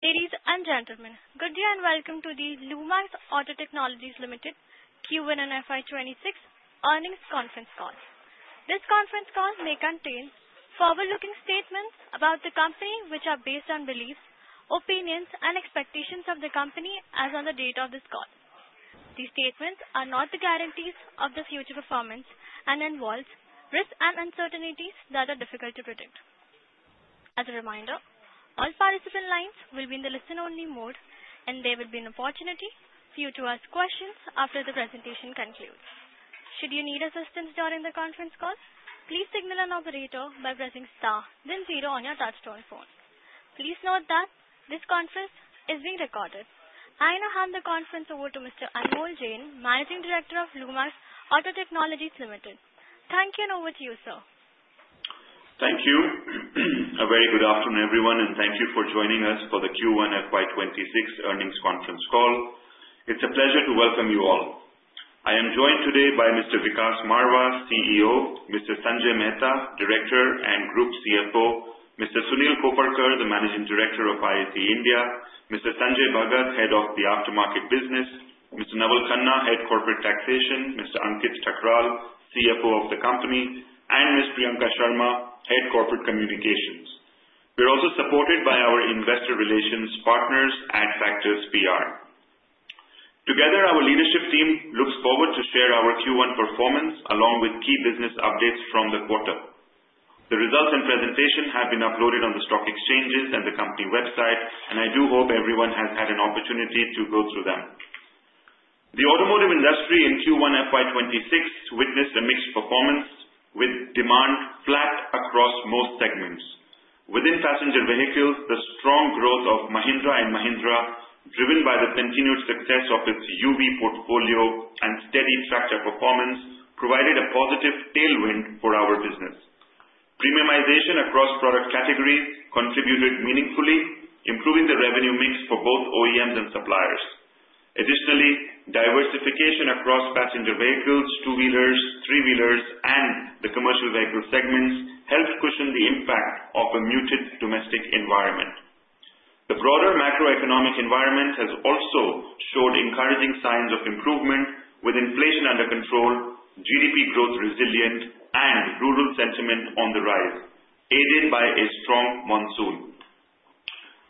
Ladies and gentlemen, good day and welcome to the Lumax Auto Technologies Limited Q1 FY26 Earnings Conference Call. This conference call may contain forward-looking statements about the company, which are based on beliefs, opinions, and expectations of the company as of the date of this call. These statements are not the guarantees of the future performance and involve risks and uncertainties that are difficult to predict. As a reminder, all participant lines will be in the listen-only mode, and there will be an opportunity for you to ask questions after the presentation concludes. Should you need assistance during the conference call, please signal an operator by pressing star, then zero on your touch-tone phone. Please note that this conference is being recorded. I now hand the conference over to Mr. Anmol Jain, Managing Director of Lumax Auto Technologies Limited. Thank you, and over to you, sir. Thank you. A very good afternoon, everyone, and thank you for joining us for the Q1 FY26 earnings conference call. It's a pleasure to welcome you all. I am joined today by Mr. Vikas Marwah, CEO, Mr. Sanjay Mehta, Director and Group CFO, Mr. Sunil Koparkar, the Managing Director of IAC International Automotive India, Mr. Sanjay Bhagat, Head of the Aftermarket Business, Mr. Naval Khanna, Head of Corporate Taxation, Mr. Ankit Thakral, CFO of the company, and Ms. Priyanka Sharma, Head of Corporate Communications. We're also supported by our investor relations partners and Adfactors PR. Together, our leadership team looks forward to share our Q1 performance along with key business updates from the quarter. The results and presentation have been uploaded on the stock exchanges and the company website, and I do hope everyone has had an opportunity to go through them. The automotive industry in Q1 FY 26 witnessed a mixed performance, with demand flat across most segments. Within passenger vehicles, the strong growth of Mahindra and Mahindra, driven by the continued success of its UV portfolio and steady tractor performance, provided a positive tailwind for our business. Premiumization across product categories contributed meaningfully, improving the revenue mix for both OEMs and suppliers. Additionally, diversification across passenger vehicles, two-wheelers, three-wheelers, and the commercial vehicle segments helped cushion the impact of a muted domestic environment. The broader macroeconomic environment has also showed encouraging signs of improvement, with inflation under control, GDP growth resilient, and rural sentiment on the rise, aided by a strong monsoon.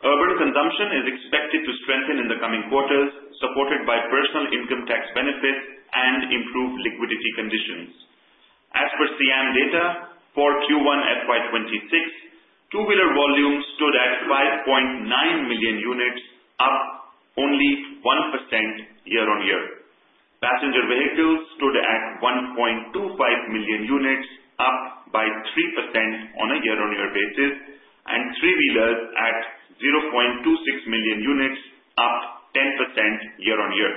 Urban consumption is expected to strengthen in the coming quarters, supported by personal income tax benefits and improved liquidity conditions. As per CM data, for Q1 FY 2026, two-wheeler volume stood at 5.9 million units, up only 1% year-on-year. Passenger vehicles stood at 1.25 million units, up by 3% on a year-on-year basis, and three-wheelers at 0.26 million units, up 10% year-on-year.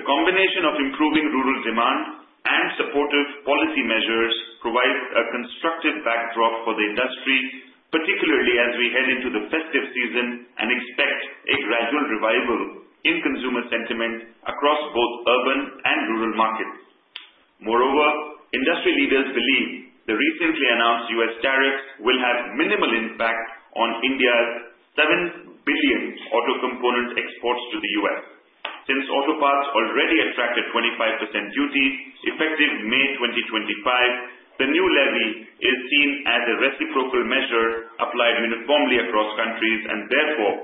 The combination of improving rural demand and supportive policy measures provides a constructive backdrop for the industry, particularly as we head into the festive season and expect a gradual revival in consumer sentiment across both urban and rural markets. Moreover, industry leaders believe the recently announced U.S. tariffs will have minimal impact on India's $7 billion auto component exports to the U.S. Since auto parts already attracted 25% duties effective May 2025, the new levy is seen as a reciprocal measure applied uniformly across countries and therefore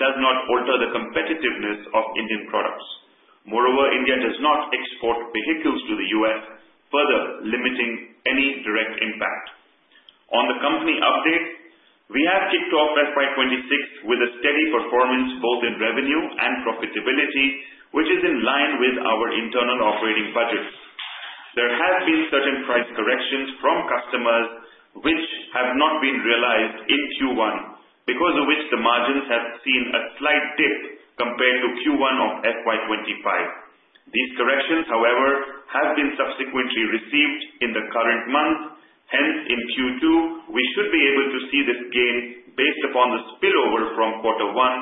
does not alter the competitiveness of Indian products. Moreover, India does not export vehicles to the U.S., further limiting any direct impact. On the company update, we have kicked off FY 2026 with a steady performance both in revenue and profitability, which is in line with our internal operating budgets. There have been certain price corrections from customers which have not been realized in Q1, because of which the margins have seen a slight dip compared to Q1 of FY 2025. These corrections, however, have been subsequently received in the current month, hence, in Q2, we should be able to see this gain based upon the spillover from quarter one,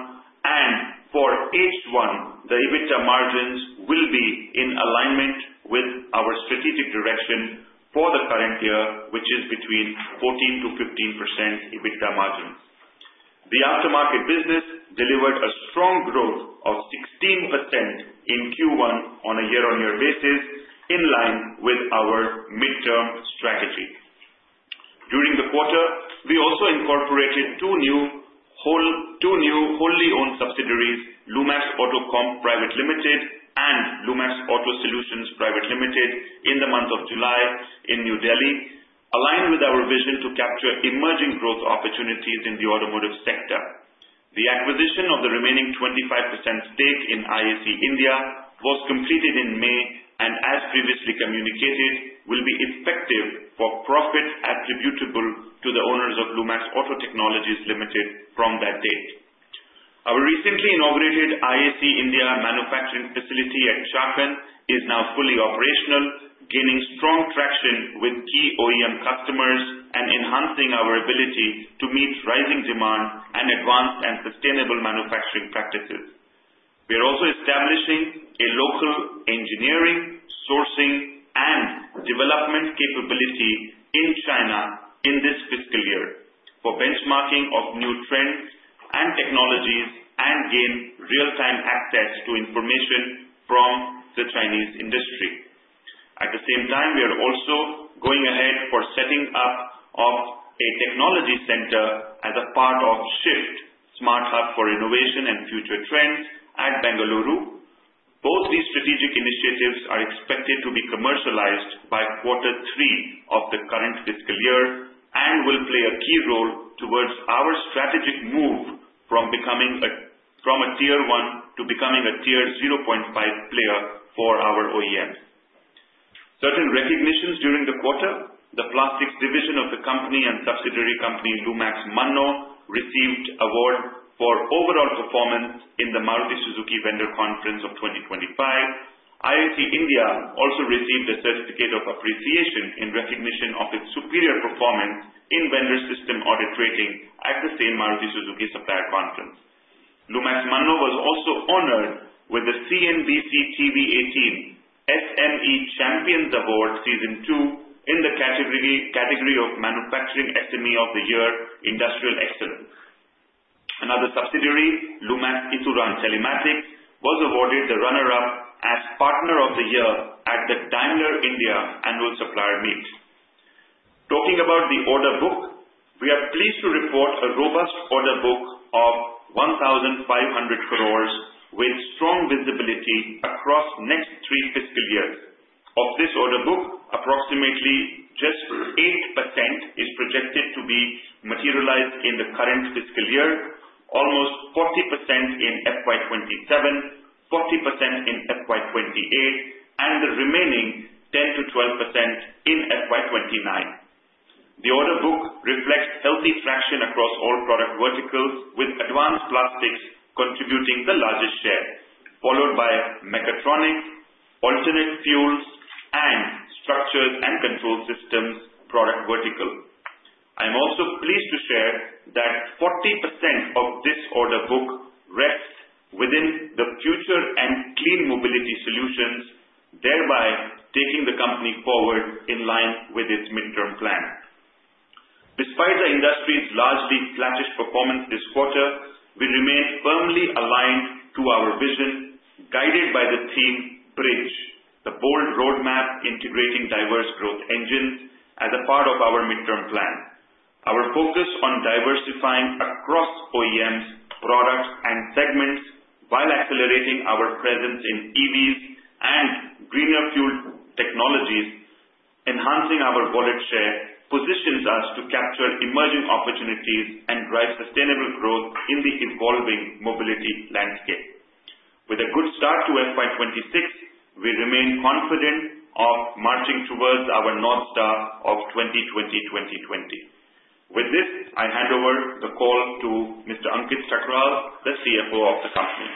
and for H1, the EBITDA margins will be in alignment with our strategic direction for the current year, which is between 14% to 15% EBITDA margins. The aftermarket business delivered a strong growth of 16% in Q1 on a year-on-year basis, in line with our midterm strategy. During the quarter, we also incorporated two new wholly-owned subsidiaries, Lumax Auto Comp Pvt. Ltd. and Lumax Auto Solutions Pvt. Ltd., in the month of July in New Delhi, aligned with our vision to capture emerging growth opportunities in the automotive sector. The acquisition of the remaining 25% stake in IAC International Automotive India Pvt. Ltd. was completed in May and, as previously communicated, will be effective for profits attributable to the owners of Lumax Auto Technologies Limited from that date. Our recently inaugurated IAC International Automotive India Pvt. Ltd. manufacturing facility at Chakan is now fully operational, gaining strong traction with key OEM customers and enhancing our ability to meet rising demand and advanced and sustainable manufacturing practices. We are also establishing a local engineering, sourcing, and development capability in China in this fiscal year for benchmarking of new trends and technologies and gain real-time access to information from the Chinese industry. At the same time, we are also going ahead for setting up a technology center as a part of SHIFT, Smart Hub for Innovation and Future Trends at Bengaluru. Both these strategic initiatives are expected to be commercialized by quarter three of the current fiscal year and will play a key role towards our strategic move from a Tier 1 to becoming a Tier 0.5 player for our OEM. Certain recognitions during the quarter: the plastics division of the company and subsidiary company, Lumax Mannoh, received award for overall performance in the Maruti Suzuki vendor conference of 2025. IAC India also received a certificate of appreciation in recognition of its superior performance in vendor system audit rating at the same Maruti Suzuki supplier conference. Lumax Mannoh was also honored with the CNBC-TV18 SME Champions Award, season two, in the category of Manufacturing SME of the Year, Industrial Excellence. Another subsidiary, Lumax Ituran Telematics, was awarded the runner-up as Partner of the Year at the Daimler India Annual Supplier Meet. Talking about the order book, we are pleased to report a robust order book of 1,500 cars with strong visibility across next three fiscal years. Of this order book, approximately just 8% is projected to be materialized in the current fiscal year, almost 40% in FY 2027, 40% in FY 2028, and the remaining 10%-12% in FY 2029. The order book reflects healthy traction across all product verticals, with Advanced Plastics contributing the largest share, followed by mechatronics, Alternate Fuels, and Structure and Control Systems product vertical. I'm also pleased to share that 40% of this order book rests within the future and clean mobility solutions, thereby taking the company forward in line with its midterm plan. Despite the industry's largely flattish performance this quarter, we remain firmly aligned to our vision, guided by the theme BRIDGE, the bold roadmap integrating diverse growth engines as a part of our midterm plan. Our focus on diversifying across OEMs, products, and segments while accelerating our presence in EVs and greener fuel technologies, enhancing our volatile share, positions us to capture emerging opportunities and drive sustainable growth in the evolving mobility landscape. With a good start to FY 26, we remain confident of marching towards our North Star of 2020-2020. With this, I hand over the call to Mr. Ankit Thakral, the CFO of the company.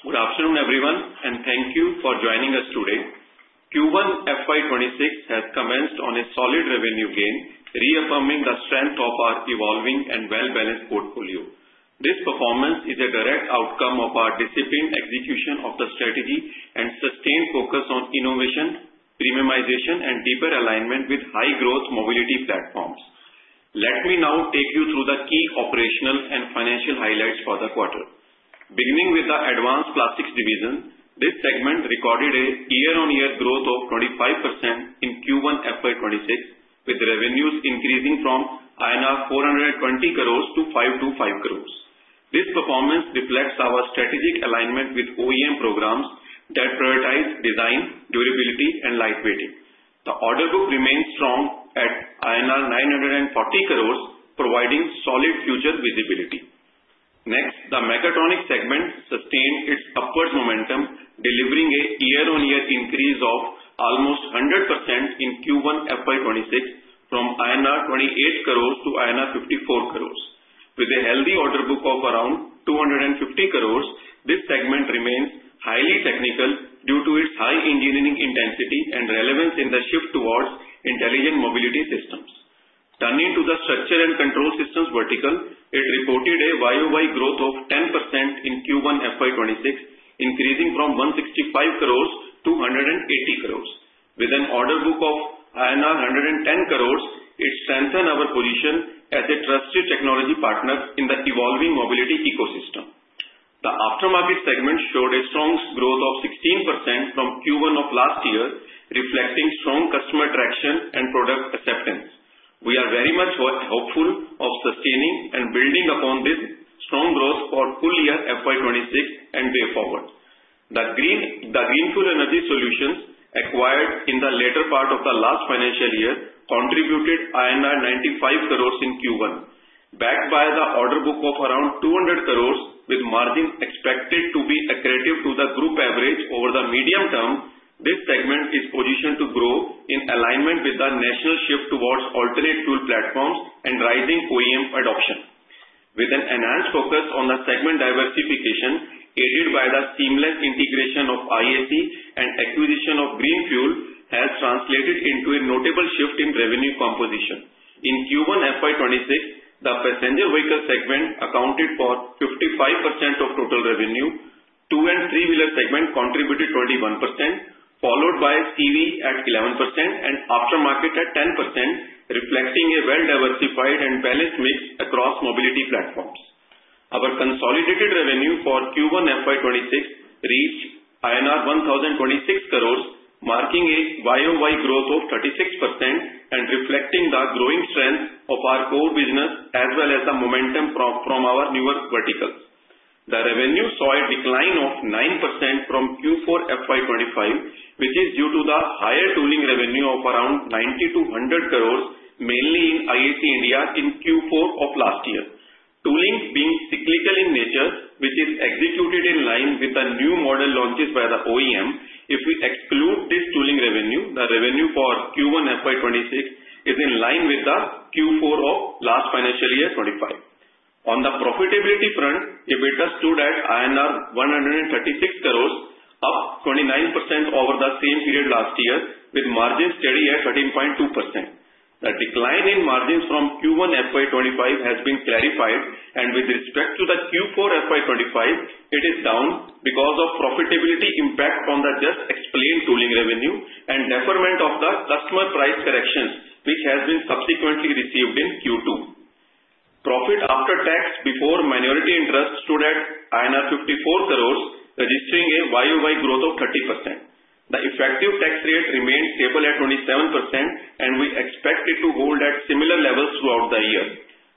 Good afternoon, everyone, and thank you for joining us today. Q1 FY 26 has commenced on a solid revenue gain, reaffirming the strength of our evolving and well-balanced portfolio. This performance is a direct outcome of our disciplined execution of the strategy and sustained focus on innovation, premiumization, and deeper alignment with high-growth mobility platforms. Let me now take you through the key operational and financial highlights for the quarter. Beginning with the Advanced Plastics division, this segment recorded a year-on-year growth of 25% in Q1 FY 2026, with revenues increasing from INR 420 crores to 525 crores. This performance reflects our strategic alignment with OEM programs that prioritize design, durability, and lightweighting. The order book remains strong at INR 940 crores, providing solid future visibility. Next, the Mechatronics segment sustained its upward momentum, delivering a year-on-year increase of almost 100% in Q1 FY 2026 from INR 28 crores to INR 54 crores. With a healthy order book of around 250 crores, this segment remains highly technical due to its high engineering intensity and relevance in the shift towards intelligent mobility systems. Turning to the structure and control systems vertical, it reported a YOY growth of 10% in Q1 FY 26, increasing from 165 crores to 180 crores. With an order book of INR 110 crores, it strengthened our position as a trusted technology partner in the evolving mobility ecosystem. The aftermarket segment showed a strong growth of 16% from Q1 of last year, reflecting strong customer traction and product acceptance. We are very much hopeful of sustaining and building upon this strong growth for full year FY 26 and way forward. The Greenfuel Energy Solutions acquired in the later part of the last financial year contributed INR 95 crores in Q1. Backed by the order book of around 200 crores, with margins expected to be accurate to the group average over the medium term, this segment is positioned to grow in alignment with the national shift towards alternate fuel platforms and rising OEM adoption. With an enhanced focus on the segment diversification, aided by the seamless integration of IAC and acquisition of Greenfuel, has translated into a notable shift in revenue composition. In Q1 FY 26, the passenger vehicle segment accounted for 55% of total revenue, two- and three-wheeler segment contributed 21%, followed by EV at 11% and aftermarket at 10%, reflecting a well-diversified and balanced mix across mobility platforms. Our consolidated revenue for Q1 FY 26 reached INR 1,026 crores, marking a YOY growth of 36% and reflecting the growing strength of our core business as well as the momentum from our newer verticals. The revenue saw a decline of 9% from Q4 FY 2025, which is due to the higher tooling revenue of around 90% to 100 crores, mainly in IAC India in Q4 of last year. Tooling being cyclical in nature, which is executed in line with the new model launches by the OEM. If we exclude this tooling revenue, the revenue for Q1 FY 2026 is in line with the Q4 of last financial year 2025. On the profitability front, EBITDA stood at INR 136 crores, up 29% over the same period last year, with margins steady at 13.2%. The decline in margins from Q1 FY 2025 has been clarified, and with respect to the Q4 FY 2025, it is down because of profitability impact on the just explained tooling revenue and deferment of the customer price corrections, which has been subsequently received in Q2. Profit after tax before minority interest stood at INR 54 crores, registering a YOY growth of 30%. The effective tax rate remained stable at 27%, and we expect it to hold at similar levels throughout the year.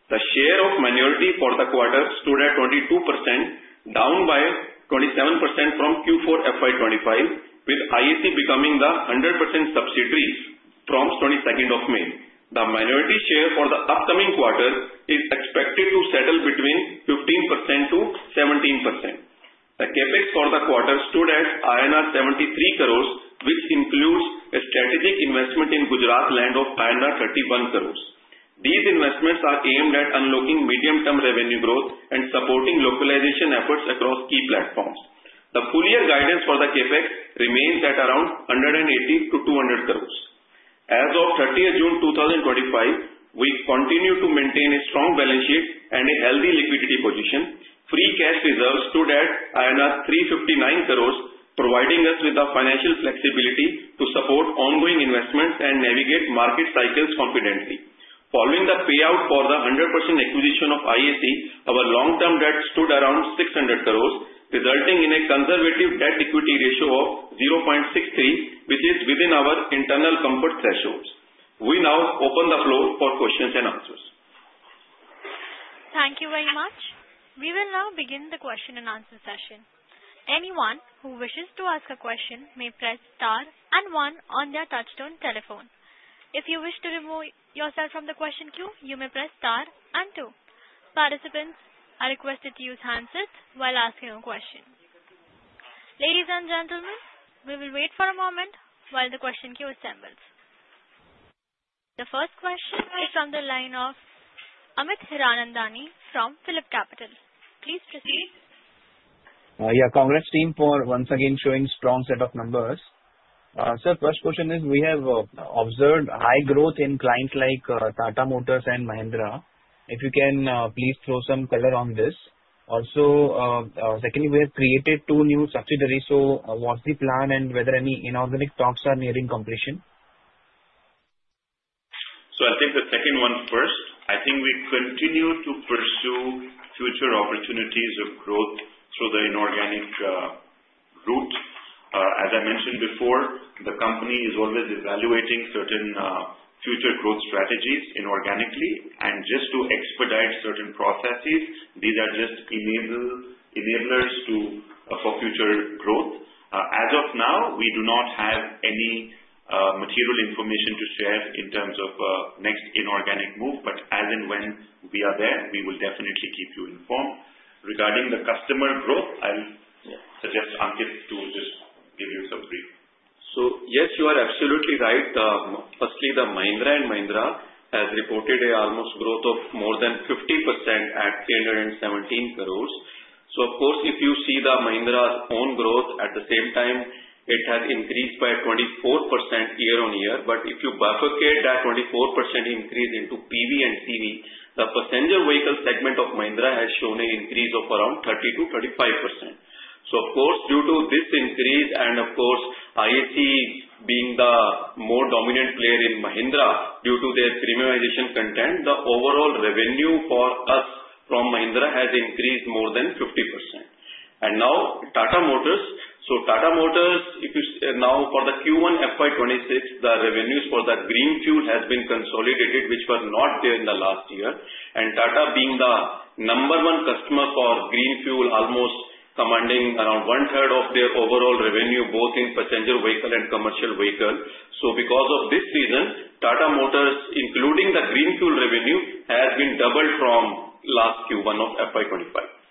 The share of minority for the quarter stood at 22%, down by 27% from Q4 FY 25, with IAC becoming the 100% subsidiary from 22nd of May. The minority share for the upcoming quarter is expected to settle between 15%-17%. The Capex for the quarter stood at INR 73 crores, which includes a strategic investment in Gujarat land of INR 31 crores. These investments are aimed at unlocking medium-term revenue growth and supporting localization efforts across key platforms. The full year guidance for the Capex remains at around 180 to 200 crores. As of 30 June 2025, we continue to maintain a strong balance sheet and a healthy liquidity position. Free cash reserves stood at 359 crores, providing us with the financial flexibility to support ongoing investments and navigate market cycles confidently. Following the payout for the 100% acquisition of IAC, our long-term debt stood around 600 crores, resulting in a conservative debt-equity ratio of 0.63, which is within our internal comfort thresholds. We now open the floor for questions and answers. Thank you very much. We will now begin the question and answer session. Anyone who wishes to ask a question may press star and one on their touch-stone telephone. If you wish to remove yourself from the question queue, you may press star and two. Participants are requested to use handsets while asking a question. Ladies and gentlemen, we will wait for a moment while the question queue assembles. The first question is from the line of Amit Hiranandani from Phillip Capital. Please proceed. Yeah, congrats team, for once again showing a strong set of numbers. Sir, first question is we have observed high growth in clients like Tata Motors and Mahindra. If you can please throw some color on this. Also, secondly, we have created two new subsidiaries. So what's the plan and whether any inorganic talks are nearing completion? So I think the second one first. I think we continue to pursue future opportunities of growth through the inorganic route. As I mentioned before, the company is always evaluating certain future growth strategies inorganically and just to expedite certain processes. These are just enablers for future growth. As of now, we do not have any material information to share in terms of next inorganic move, but as and when we are there, we will definitely keep you informed. Regarding the customer growth, I'll suggest Ankit to just give you some brief. Yes, you are absolutely right. Firstly, the Mahindra & Mahindra has reported an almost growth of more than 50% at 317 crores. Of course, if you see the Mahindra's own growth at the same time, it has increased by 24% year on year. But if you bifurcate that 24% increase into PV and UV, the passenger vehicle segment of Mahindra has shown an increase of around 30%-35%. Of course, due to this increase and of course, IAC being the more dominant player in Mahindra due to their premiumization content, the overall revenue for us from Mahindra has increased more than 50%. Now Tata Motors. Tata Motors, if you now for the Q1 FY 26, the revenues for the Greenfuel have been consolidated, which were not there in the last year. Tata being the number one customer for Greenfuel, almost commanding around one-third of their overall revenue, both in passenger vehicle and commercial vehicle. So because of this reason, Tata Motors, including the Greenfuel revenue, has been doubled from last Q1 of FY 25.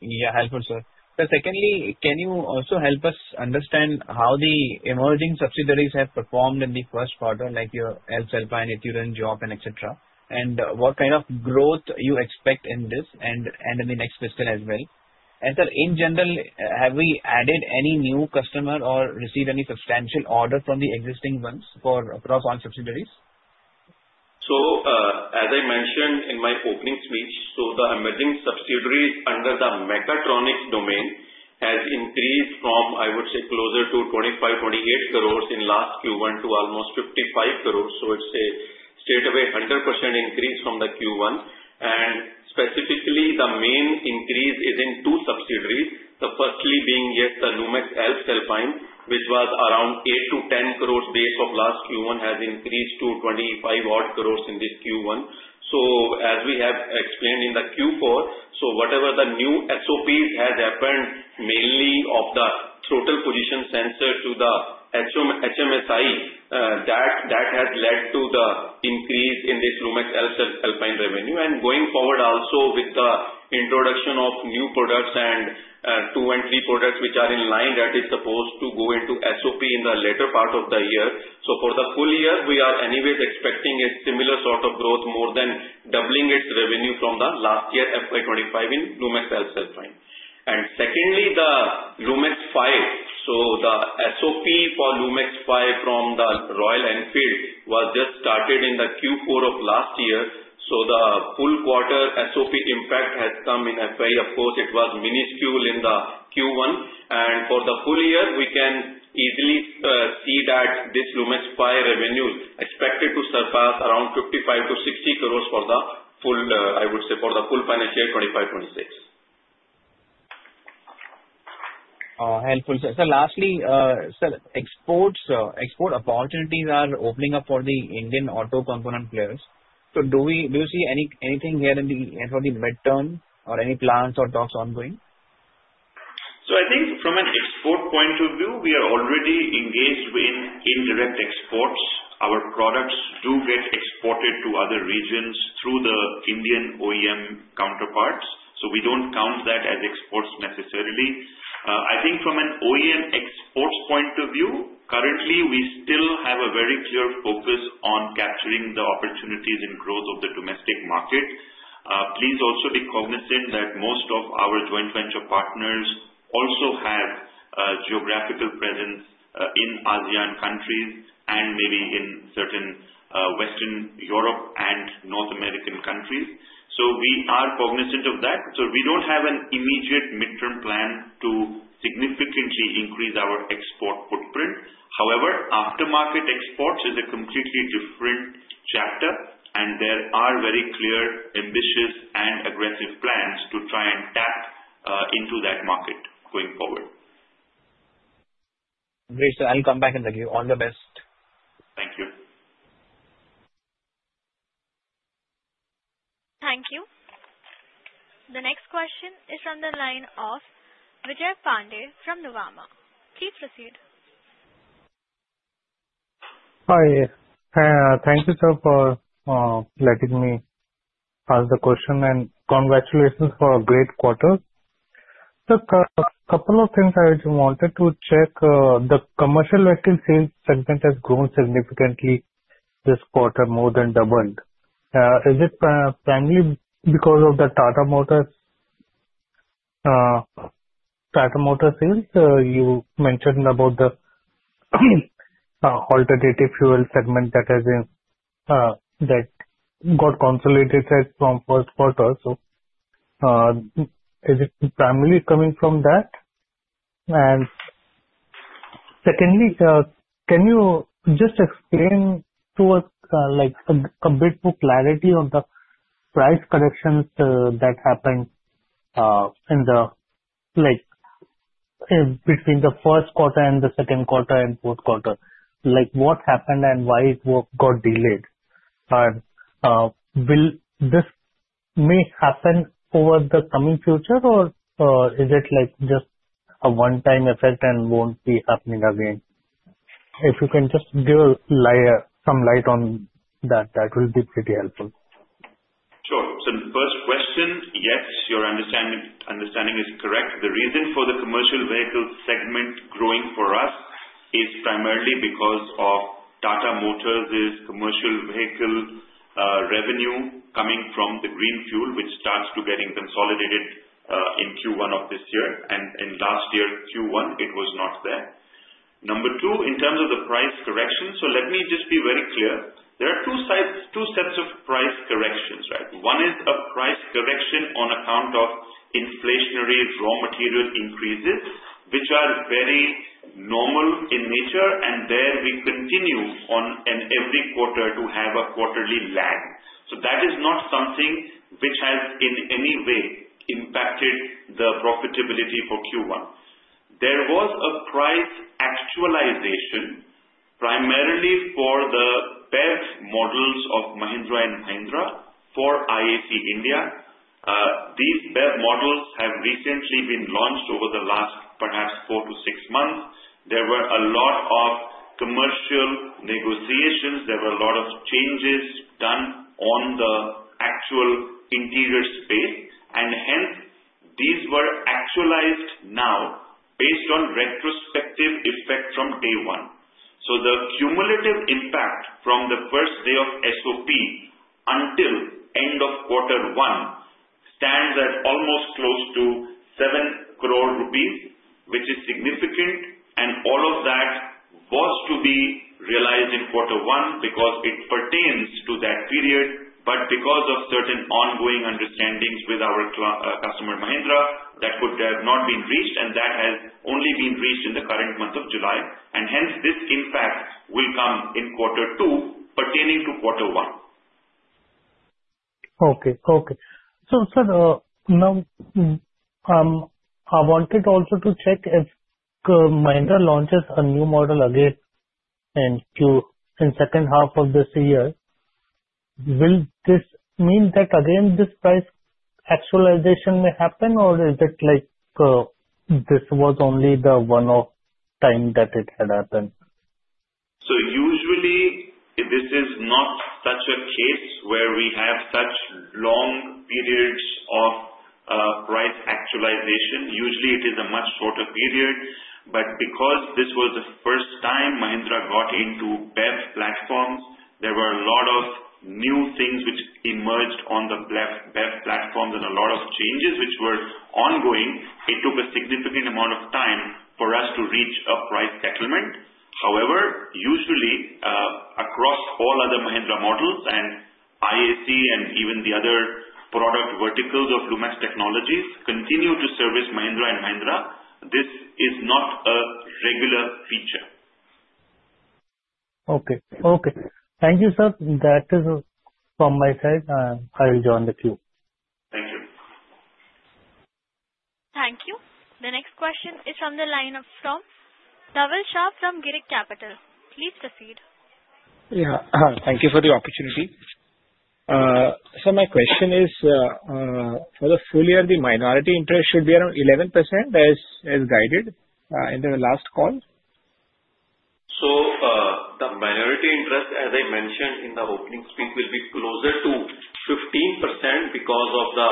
Yeah, helpful, sir. Secondly, can you also help us understand how the emerging subsidiaries have performed in the first quarter, like your Alps, Ituran, Yokowo, and etc., and what kind of growth you expect in this and in the next fiscal as well? And sir, in general, have we added any new customer or received any substantial order from the existing ones across all subsidiaries? So as I mentioned in my opening speech, the emerging subsidiaries under the mechatronics domain have increased from, I would say, closer to 25-28 crores in last Q1 to almost 55 crores. It's a straight away 100% increase from the Q1. And specifically, the main increase is in two subsidiaries. The first being namely the Lumax Alps Alpine, which was around 8-10 crores base of last Q1, has increased to 25-odd crores in this Q1. As we have explained in the Q4, whatever the new SOPs have happened, mainly of the throttle position sensor to the HMSI, that has led to the increase in this Lumax Alps Alpine revenue. And going forward also with the introduction of new products and two- and three-wheeler products, which are in line, that is supposed to go into SOP in the later part of the year. For the full year, we are anyways expecting a similar sort of growth, more than doubling its revenue from the last year FY 25 in Lumax Alps Alpine. And secondly, the Lumax FAE. The SOP for Lumax FAE from Royal Enfield was just started in the Q4 of last year. The full quarter SOP impact has come in FY. Of course, it was minuscule in the Q1. For the full year, we can easily see that this Lumax FAE revenue is expected to surpass around 55-60 crores for the full, I would say, for the full financial year 2025-26. Helpful, sir. Lastly, sir, export opportunities are opening up for the Indian auto component players. Do you see anything here in the medium term or any plans or talks ongoing? From an export point of view, we are already engaged in indirect exports. Our products do get exported to other regions through the Indian OEM counterparts. We don't count that as exports necessarily. I think from an OEM exports point of view, currently, we still have a very clear focus on capturing the opportunities and growth of the domestic market. Please also be cognizant that most of our joint venture partners also have geographical presence in ASEAN countries and maybe in certain Western Europe and North American countries. So we are cognizant of that. So we don't have an immediate midterm plan to significantly increase our export footprint. However, aftermarket exports is a completely different chapter, and there are very clear, ambitious, and aggressive plans to try and tap into that market going forward. Great, sir. I'll come back in the queue. All the best. Thank you. Thank you. The next question is from the line of Vijay Pandey from Nuvama. Please proceed. Hi. Thank you, sir, for letting me ask the question, and congratulations for a great quarter. Sir, a couple of things I wanted to check. The commercial vehicle sales segment has grown significantly this quarter, more than doubled. Is it primarily because of the Tata Motors sales? You mentioned about the alternative fuel segment that got consolidated from first quarter. So is it primarily coming from that? And secondly, can you just explain to us a bit more clarity on the price corrections that happened between the first quarter and the second quarter and fourth quarter? What happened and why it got delayed? And will this may happen over the coming future, or is it just a one-time effect and won't be happening again? If you can just give some light on that, that will be pretty helpful. Sure. So the first question, yes, your understanding is correct. The reason for the commercial vehicle segment growing for us is primarily because of Tata Motors' commercial vehicle revenue coming from the green fuel, which starts to get consolidated in Q1 of this year. In last year's Q1, it was not there. Number two, in terms of the price correction, so let me just be very clear. There are two sets of price corrections, right? One is a price correction on account of inflationary raw material increases, which are very normal in nature, and there we continue on an every quarter to have a quarterly lag. So that is not something which has in any way impacted the profitability for Q1. There was a price actualization primarily for the BEV models of Mahindra & Mahindra for IAC India. These BEV models have recently been launched over the last perhaps four to six months. There were a lot of commercial negotiations. There were a lot of changes done on the actual interior space, and hence these were actualized now based on retrospective effect from day one. So the cumulative impact from the first day of SOP until end of quarter one stands at almost close to 7 crore rupees, which is significant, and all of that was to be realized in quarter one because it pertains to that period, but because of certain ongoing understandings with our customer Mahindra, that could have not been reached, and that has only been reached in the current month of July. And hence this impact will come in quarter two pertaining to quarter one. Okay. Okay. So sir, now I wanted also to check if Mahindra launches a new model again in Q2, in second half of this year, will this mean that again this price actualization may happen, or is it like this was only the one-off time that it had happened? So usually, this is not such a case where we have such long periods of price actualization. Usually, it is a much shorter period, but because this was the first time Mahindra got into BEV platforms, there were a lot of new things which emerged on the BEV platforms and a lot of changes which were ongoing. It took a significant amount of time for us to reach a price settlement. However, usually, across all other Mahindra models and IAC and even the other product verticals of Lumax Auto Technologies continue to service Mahindra & Mahindra. This is not a regular feature. Okay. Okay. Thank you, sir. That is from my side. I will join the queue. Thank you. The next question is from the line of Dhaval Shah from Girik Capital. Please proceed. Yeah. Thank you for the opportunity. So my question is, for the full year, the minority interest should be around 11% as guided in the last call? So the minority interest, as I mentioned in the opening speech, will be closer to 15% because of the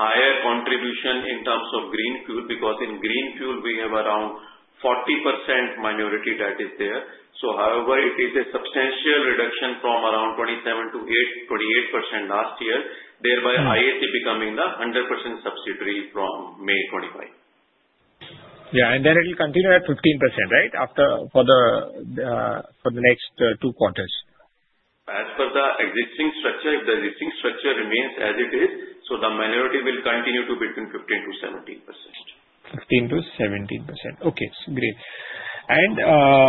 higher contribution in terms of Greenfuel, because in Greenfuel, we have around 40% minority that is there. So however, it is a substantial reduction from around 27%-28% last year, thereby IAC becoming the 100% subsidiary from May 25. Yeah. And then it will continue at 15%, right, for the next two quarters? As per the existing structure, if the existing structure remains as it is, so the minority will continue to be between 15%-17%. 15%-17%. Okay. Great. And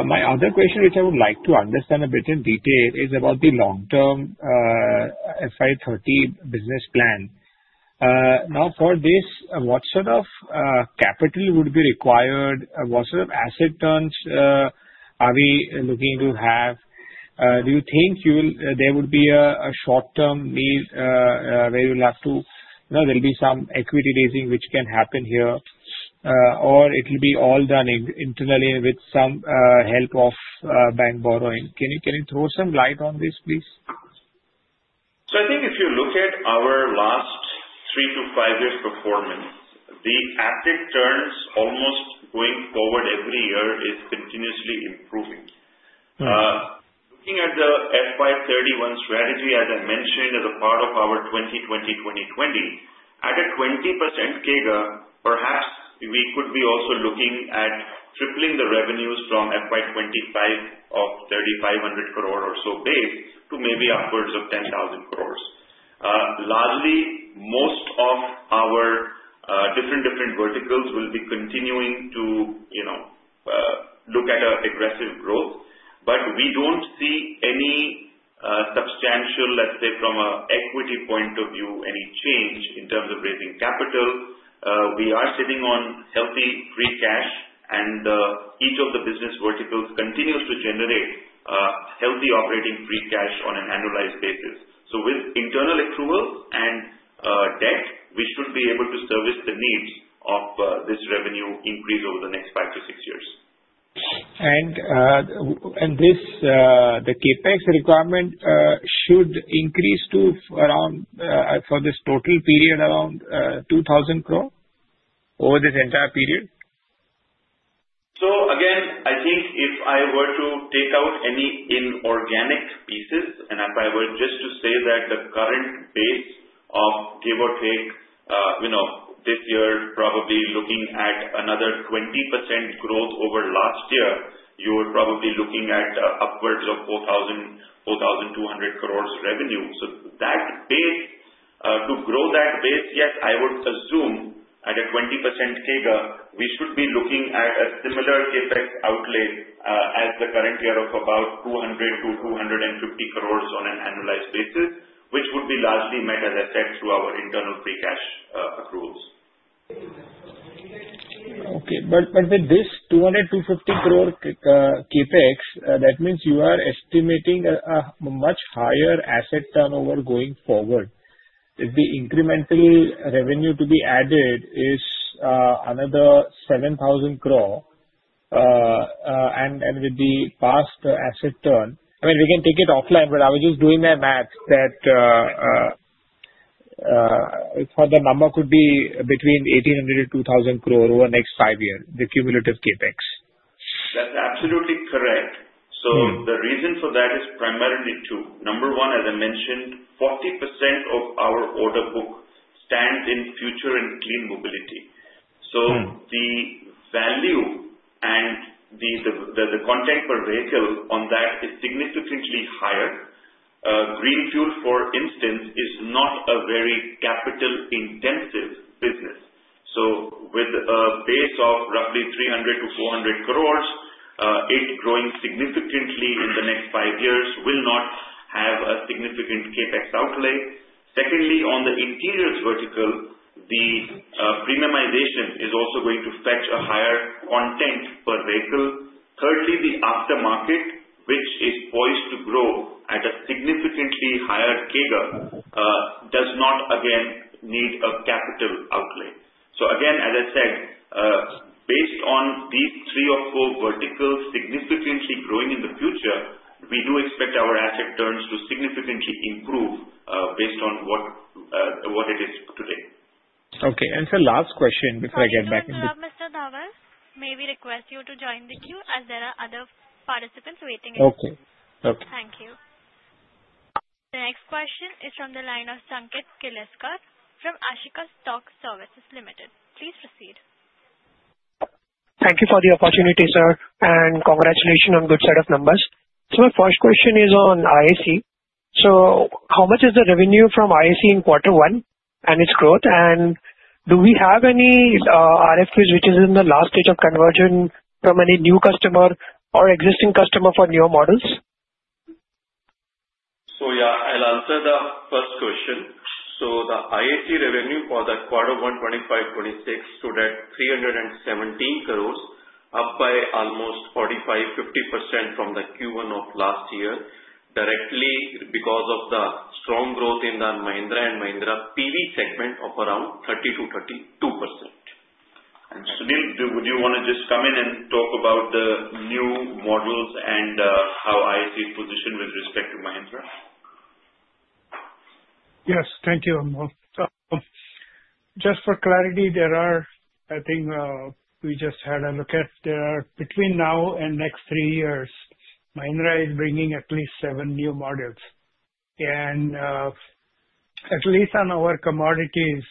my other question, which I would like to understand a bit in detail, is about the long-term FY 30 business plan. Now, for this, what sort of capital would be required? What sort of asset terms are we looking to have? Do you think there would be a short-term need where you'll have to, there'll be some equity raising which can happen here, or it'll be all done internally with some help of bank borrowing? Can you throw some light on this, please? So I think if you look at our last three to five years' performance, the asset terms almost going forward every year is continuously improving. Looking at the FY 31 strategy, as I mentioned as a part of our 2025-2030, at a 20% CAGR, perhaps we could be also looking at tripling the revenues from FY 25 of 3,500 crore or so base to maybe upwards of 10,000 crores. Largely, most of our different verticals will be continuing to look at aggressive growth, but we don't see any substantial, let's say, from an equity point of view, any change in terms of raising capital. We are sitting on healthy free cash, and each of the business verticals continues to generate healthy operating free cash on an annualized basis. So with internal accrual and debt, we should be able to service the needs of this revenue increase over the next five to six years, And the Capex requirement should increase to around for this total period around 2,000 crore over this entire period? So again, I think if I were to take out any inorganic pieces, and if I were just to say that the current base of give or take, this year, probably looking at another 20% growth over last year, you're probably looking at upwards of 4,200 crores revenue. So that base, to grow that base, yes, I would assume at a 20% CAGR, we should be looking at a similar CapEx outlay as the current year of about 200-250 crores on an annualized basis, which would be largely met, as I said, through our internal free cash accruals. Okay. But with this 200-250 crore CapEx, that means you are estimating a much higher asset turnover going forward. The incremental revenue to be added is another 7,000 crore, and with the past asset turn, I mean, we can take it offline, but I was just doing my math that for the number could be between 1,800-2,000 crore over the next five years, the cumulative CapEx. That's absolutely correct. The reason for that is primarily two. Number one, as I mentioned, 40% of our order book stands in future and clean mobility. The value and the content per vehicle on that is significantly higher. Greenfuel, for instance, is not a very capital-intensive business. With a base of roughly 300-400 crores, it's growing significantly in the next five years, will not have a significant CapEx outlay. Secondly, on the interiors vertical, the premiumization is also going to fetch a higher content per vehicle. Thirdly, the aftermarket, which is poised to grow at a significantly higher CAGR, does not, again, need a capital outlay. So again, as I said, based on these three or four verticals significantly growing in the future, we do expect our asset terms to significantly improve based on what it is today. Okay. And sir, last question before I get back in the. Mr. Dhaval, may we request you to join the queue as there are other participants waiting in the line? Okay. Okay. Thank you. The next question is from the line of Sanket Kileshwar from Ashika Stock Services Limited. Please proceed. Thank you for the opportunity, sir, and congratulations on a good set of numbers. So my first question is on IAC. So how much is the revenue from IAC in quarter one and its growth? Do we have any RFQs which are in the last stage of conversion from any new customer or existing customer for newer models? Yeah, I'll answer the first question. The IAC revenue for the quarter 1, 25, 26 stood at 317 crores, up by almost 45%-50% from the Q1 of last year directly because of the strong growth in the Mahindra and Mahindra PV segment of around 30%-32%. Sunil, would you want to just come in and talk about the new models and how IAC is positioned with respect to Mahindra? Yes. Thank you, Anmol. Just for clarity, I think we just had a look at. There are between now and next three years, Mahindra is bringing at least seven new models. At least on our commodities,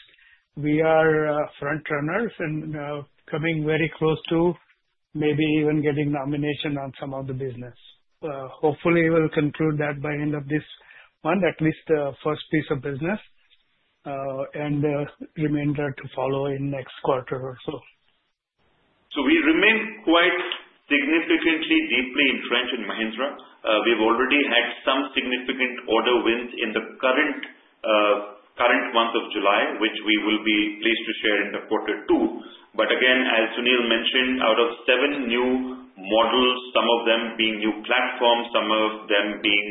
we are front runners and coming very close to maybe even getting nomination on some of the business. Hopefully, we'll conclude that by end of this month, at least the first piece of business, and the remainder to follow in next quarter or so. We remain quite significantly deeply entrenched in Mahindra. We've already had some significant order wins in the current month of July, which we will be pleased to share in the quarter two. But again, as Sunil mentioned, out of seven new models, some of them being new platforms, some of them being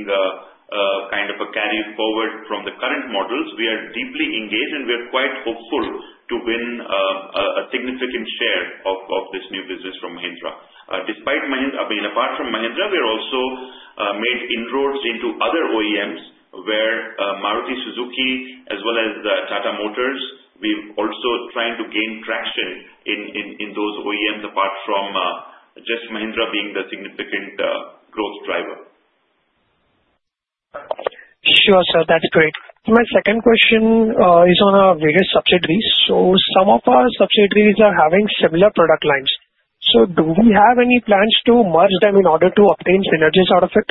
kind of a carry forward from the current models, we are deeply engaged and we are quite hopeful to win a significant share of this new business from Mahindra. Despite Mahindra, I mean, apart from Mahindra, we've also made inroads into other OEMs where Maruti Suzuki, as well as Tata Motors, we're also trying to gain traction in those OEMs apart from just Mahindra being the significant growth driver. Sure, sir. That's great. My second question is on our various subsidiaries. So some of our subsidiaries are having similar product lines. So do we have any plans to merge them in order to obtain synergies out of it?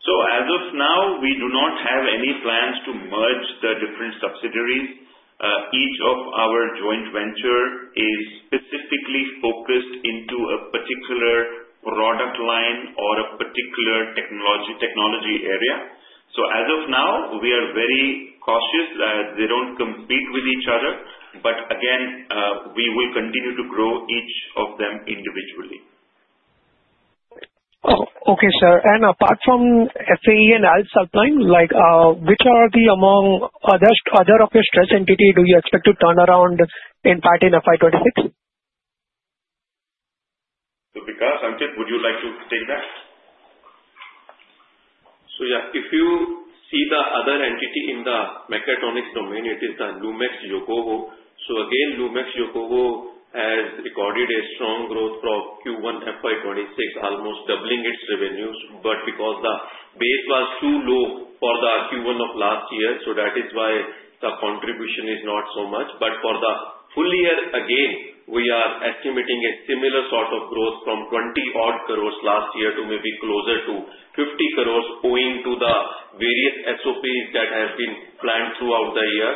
So as of now, we do not have any plans to merge the different subsidiaries. Each of our joint ventures is specifically focused into a particular product line or a particular technology area. So as of now, we are very cautious that they don't compete with each other, but again, we will continue to grow each of them individually. Okay, sir. Apart from FAE and Alps Alpine, what are the other stressed entities you expect to turn around in FY26? Vikas, Sanket, would you like to take that? Yeah, if you see the other entity in the mechatronics domain, it is the Lumax Yokowo. Again, Lumax Yokowo has recorded a strong growth from Q1 FY26, almost doubling its revenues, but because the base was too low for the Q1 of last year, that is why the contribution is not so much. But for the full year, again, we are estimating a similar sort of growth from 20-odd crores last year to maybe closer to 50 crores owing to the various SOPs that have been planned throughout the year.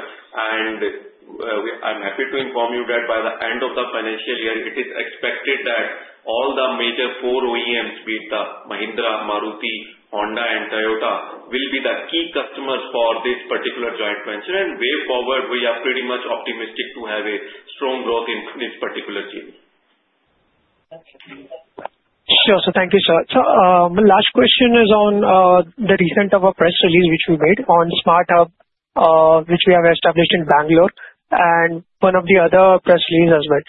I'm happy to inform you that by the end of the financial year, it is expected that all the major four OEMs, be it Mahindra, Maruti, Honda, and Toyota, will be the key customers for this particular joint venture. Way forward, we are pretty much optimistic to have a strong growth in this particular chain. Sure. Thank you, sir. My last question is on the recent press release which we made on SHIFT, which we have established in Bengaluru, and one of the other press releases as well.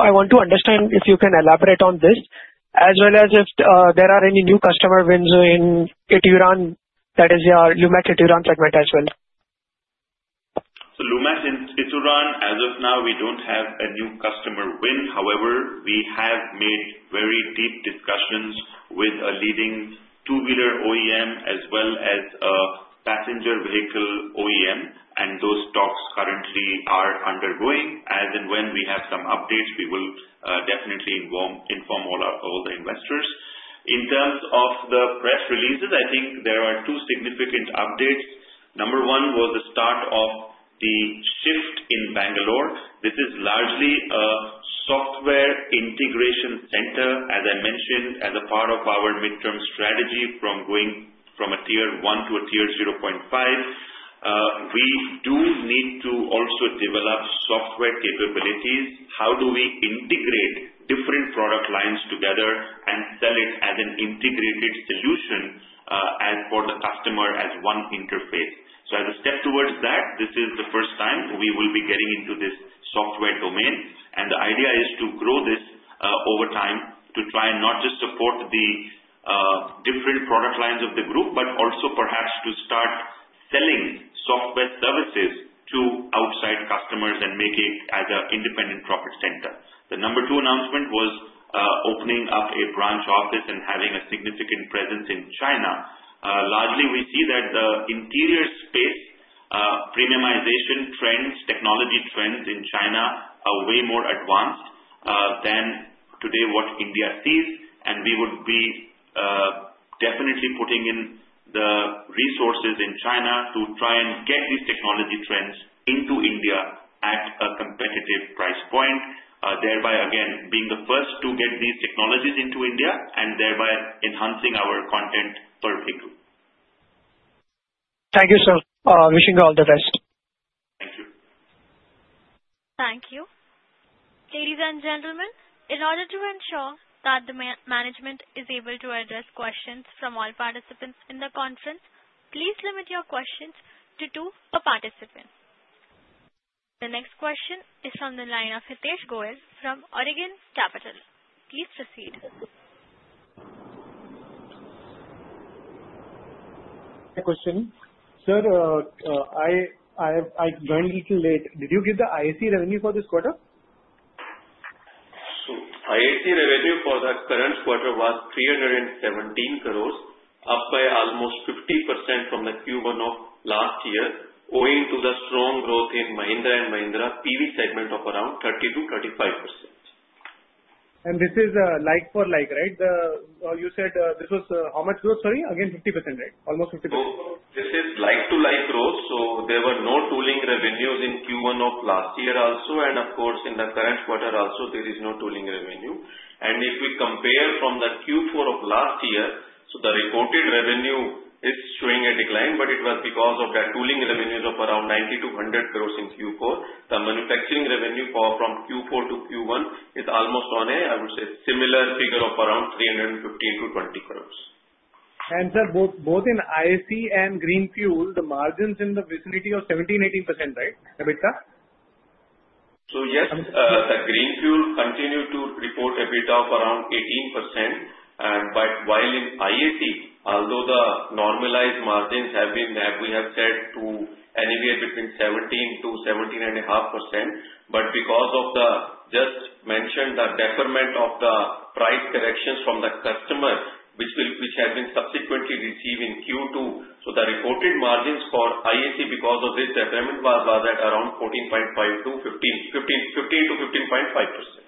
I want to understand if you can elaborate on this, as well as if there are any new customer wins in Ituran, that is your Lumax Ituran segment as well. Lumax Ituran, as of now, we don't have a new customer win. However, we have made very deep discussions with a leading two-wheeler OEM as well as a passenger vehicle OEM, and those talks currently are undergoing. As and when we have some updates, we will definitely inform all the investors. In terms of the press releases, I think there are two significant updates. Number one was the start of the SHIFT in Bengaluru. This is largely a software integration center, as I mentioned, as a part of our midterm strategy from going from a Tier 1 to a Tier 0.5. We do need to also develop software capabilities. How do we integrate different product lines together and sell it as an integrated solution for the customer as one interface? So as a step towards that, this is the first time we will be getting into this software domain. And the idea is to grow this over time to try and not just support the different product lines of the group, but also perhaps to start selling software services to outside customers and make it as an independent profit center. The number two announcement was opening up a branch office and having a significant presence in China. Largely, we see that the interior space premiumization trends, technology trends in China are way more advanced than today what India sees. And we would be definitely putting in the resources in China to try and get these technology trends into India at a competitive price point, thereby again being the first to get these technologies into India and thereby enhancing our content per vehicle. Thank you, sir. Wishing you all the best. Thank you. Thank you. Ladies and gentlemen, in order to ensure that the management is able to address questions from all participants in the conference, please limit your questions to two per participant. The next question is from the line of Hitesh Goyal from Oregon Capital. Please proceed. My question. Sir, I joined a little late. Did you give the IAC revenue for this quarter? So IAC revenue for the current quarter was 317 crores, up by almost 50% from the Q1 of last year, owing to the strong growth in Mahindra and Mahindra PV segment of around 30%-35%. And this is like for like, right? You said this was how much growth? Sorry, again, 50%, right? Almost 50%. So this is like to like growth. So there were no tooling revenues in Q1 of last year also. And of course, in the current quarter also, there is no tooling revenue. If we compare from the Q4 of last year, so the reported revenue is showing a decline, but it was because of that tooling revenues of around 90-100 crores in Q4. The manufacturing revenue from Q4 to Q1 is almost on, I would say, similar figure of around 315-320 crores. Sir, both in IAC and Greenfuel, the margins in the vicinity of 17%-18%, right? So yes, the Greenfuel continued to report a bit of around 18%. But while in IAC, although the normalized margins have been, we have said, to anywhere between 17%-17.5%, but because of the just mentioned the deferment of the price corrections from the customer, which had been subsequently received in Q2, so the reported margins for IAC because of this deferment was at around 14.5%-15%.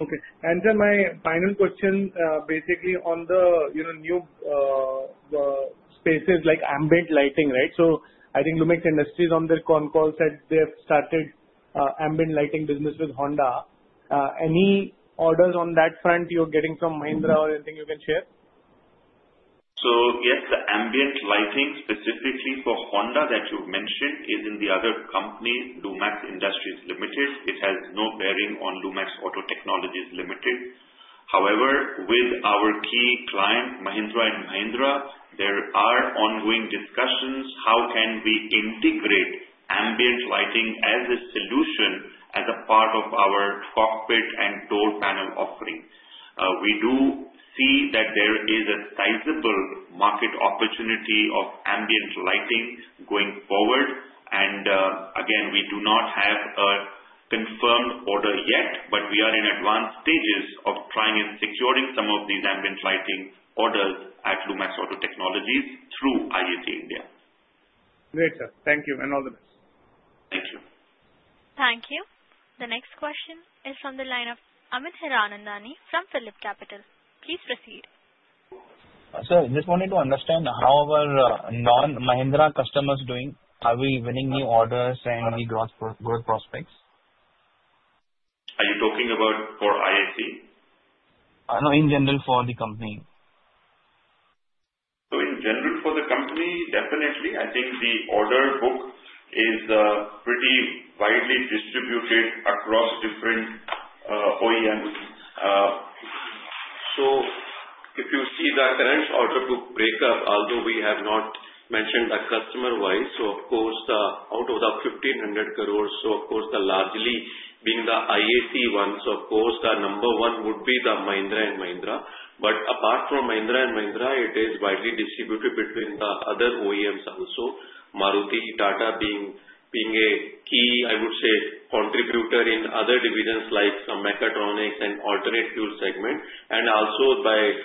Okay. And sir, my final question, basically on the new spaces like ambient lighting, right? So I think Lumax Industries on their con call said they have started ambient lighting business with Honda. Any orders on that front you're getting from Mahindra or anything you can share? So yes, the ambient lighting specifically for Honda that you mentioned is in the other company, Lumax Industries Limited. It has no bearing on Lumax Auto Technologies Limited. However, with our key client, Mahindra & Mahindra, there are ongoing discussions how can we integrate ambient lighting as a solution as a part of our cockpit and door panel offering. We do see that there is a sizable market opportunity of ambient lighting going forward. Again, we do not have a confirmed order yet, but we are in advanced stages of trying and securing some of these ambient lighting orders at Lumax Auto Technologies through IAC India. Great, sir. Thank you and all the best. Thank you. Thank you. The next question is from the line of Amit Hiranandani from Phillip Capital. Please proceed. Sir, I just wanted to understand how are our non-Mahindra customers doing? Are we winning new orders and any growth prospects? Are you talking about for IAC? No, in general for the company. In general for the company, definitely. I think the order book is pretty widely distributed across different OEMs. So if you see the current order book breakup, although we have not mentioned the customer-wise, so of course, out of the 1,500 crores, so of course, largely being the IAC ones, of course, the number one would be the Mahindra and Mahindra. But apart from Mahindra and Mahindra, it is widely distributed between the other OEMs also, Maruti, Tata being a key, I would say, contributor in other divisions like some mechatronics and alternate fuel segment. And also besides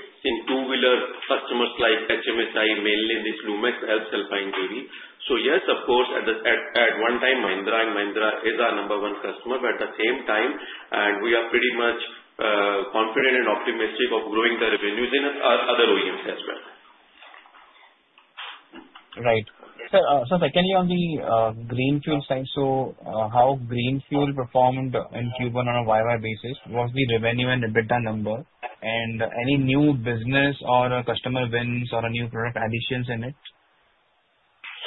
two-wheeler customers like HMSI, mainly this Lumax Alps Alpine JV. So yes, of course, at one time, Mahindra and Mahindra is our number one customer. But at the same time, we are pretty much confident and optimistic of growing the revenues in other OEMs as well. Right. Sir, secondly on the Green Fuel side, how Green Fuel performed in Q1 on a YY basis was the revenue and EBITDA number. And any new business or customer wins or new product additions in it?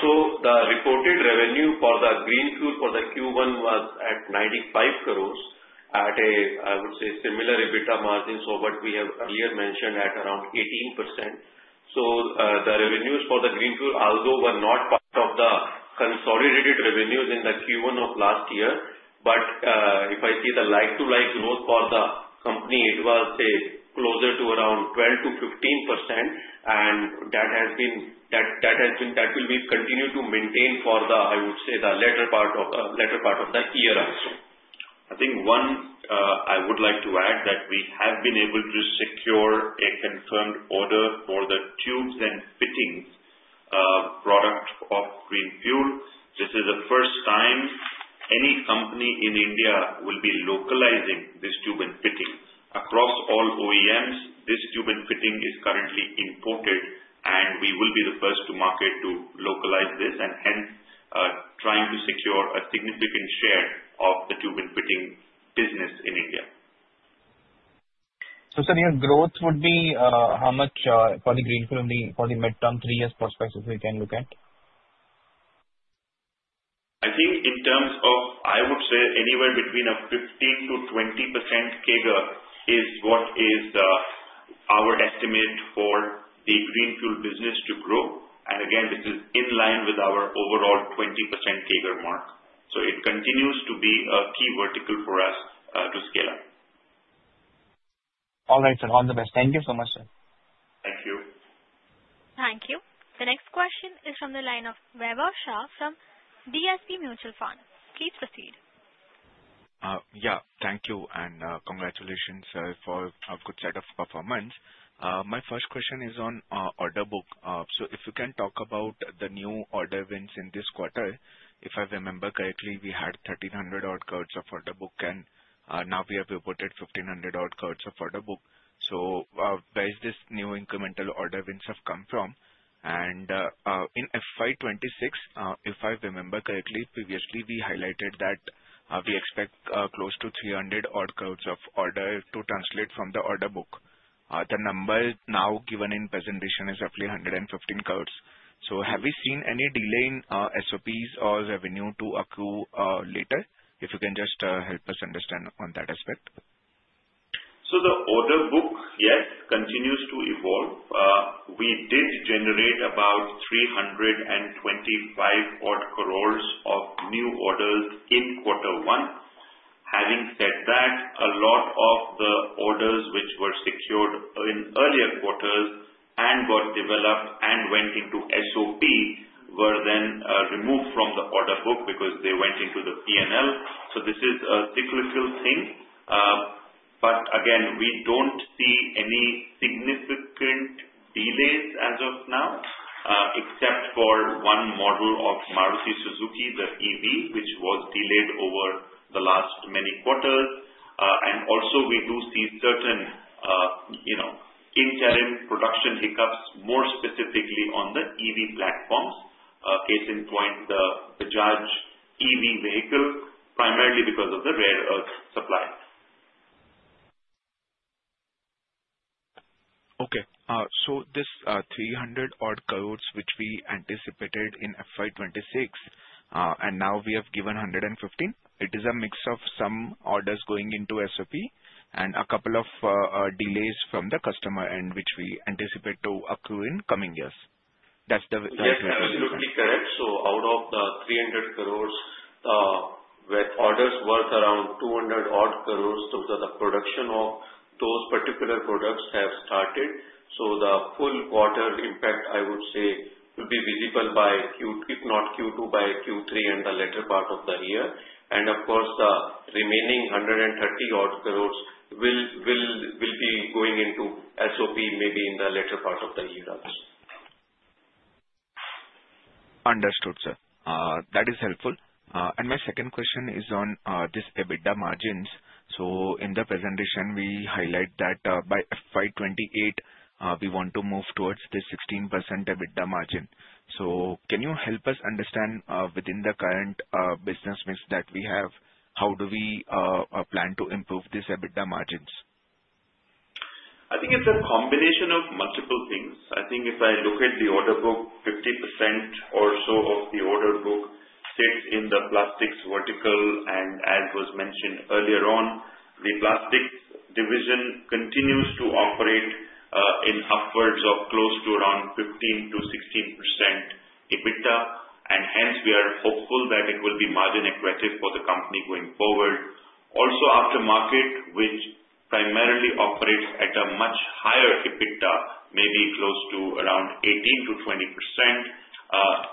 The reported revenue for the Green Fuel for the Q1 was at 95 crore at a similar EBITDA margin, what we have earlier mentioned at around 18%. The revenues for the Green Fuel, although were not part of the consolidated revenues in the Q1 of last year, but if I see the like-for-like growth for the company, it was closer to around 12%-15%. And that will be continued to maintain for the, I would say, the latter part of the year also. I think one I would like to add that we have been able to secure a confirmed order for the tubes and fittings product of Greenfuel. This is the first time any company in India will be localizing this tube and fitting across all OEMs. This tube and fitting is currently imported, and we will be the first to market to localize this and hence trying to secure a significant share of the tube and fitting business in India. So sir, your growth would be how much for the Greenfuel in the midterm three-year prospects if we can look at? I think in terms of, I would say, anywhere between a 15%-20% CAGR is what is our estimate for the Greenfuel business to grow. And again, this is in line with our overall 20% CAGR mark. So it continues to be a key vertical for us to scale up. All right, sir. All the best. Thank you so much, sir. Thank you. Thank you. The next question is from the line of Revansh Shah from DSP Mutual Fund. Please proceed. Yeah, thank you and congratulations, sir, for a good set of performance. My first question is on order book. So if you can talk about the new order wins in this quarter. If I remember correctly, we had 1,300-odd crores of order book, and now we have reported 1,500-odd crores of order book. So where is this new incremental order wins have come from? And in FY 26, if I remember correctly, previously we highlighted that we expect close to 300-odd crores of order to translate from the order book. The number now given in presentation is roughly 115 crores. So have we seen any delay in SOPs or revenue to accrue later? If you can just help us understand on that aspect. So the order book, yes, continues to evolve. We did generate about 325-odd crores of new orders in quarter one. Having said that, a lot of the orders which were secured in earlier quarters and got developed and went into SOP were then removed from the order book because they went into the P&L. So this is a cyclical thing. But again, we don't see any significant delays as of now, except for one model of Maruti Suzuki, the EV, which was delayed over the last many quarters. And also, we do see certain interim production hiccups, more specifically on the EV platforms, case in point the Bajaj EV vehicle, primarily because of the rare earth supply. Okay. So this 300-odd crores which we anticipated in FY 26, and now we have given 115, it is a mix of some orders going into SOP and a couple of delays from the customer end which we anticipate to accrue in coming years. That's the latest report. Yes, absolutely correct. So out of the 300 crores, with orders worth around 200-odd crores, those are the production of those particular products have started. So the full quarter impact, I would say, will be visible by Q2, if not Q2, by Q3 and the latter part of the year. And of course, the remaining 130-odd crores will be going into SOP maybe in the latter part of the year also. Understood, sir. That is helpful. And my second question is on this EBITDA margins. In the presentation, we highlight that by FY2028, we want to move towards this 16% EBITDA margin. So can you help us understand within the current business mix that we have, how do we plan to improve this EBITDA margins? I think it's a combination of multiple things. I think if I look at the order book, 50% or so of the order book sits in the plastics vertical. And as was mentioned earlier on, the plastics division continues to operate in upwards of close to around 15%-16% EBITDA. And hence, we are hopeful that it will be margin accretive for the company going forward. Also, aftermarket, which primarily operates at a much higher EBITDA, maybe close to around 18%-20%,